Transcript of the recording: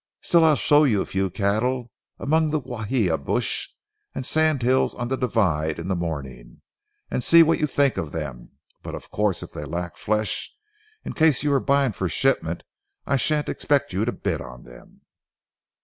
Still I'll show you a few cattle among the guajio brush and sand hills on the divide in the morning and see what you think of them. But of course, if they lack flesh, in case you are buying for shipment I shan't expect you to bid on them."